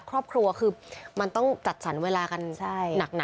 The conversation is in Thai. ครอบครัวคือมันต้องจัดสรรเวลากันหนัก